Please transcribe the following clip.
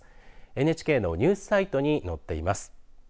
ＮＨＫのニュースサイトに載っています。